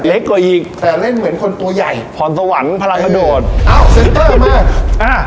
เล็กกว่าอีกแต่เล่นเหมือนคนตัวใหญ่ผ่อนสวรรค์พลังกระโดดอ้าวเซ็นเตอร์มาอ่า